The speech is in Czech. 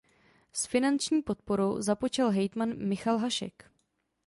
S finanční podporou započal hejtman Michal Hašek.